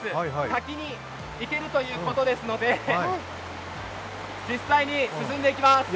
滝に行けるということですので実際に進んでいきます。